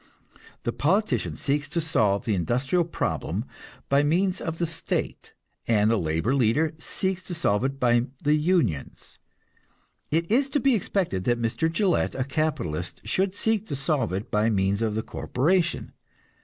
The politician seeks to solve the industrial problem by means of the state, and the labor leader seeks to solve it by the unions; it is to be expected that Mr. Gillette, a capitalist, should seek to solve it by means of the corporation.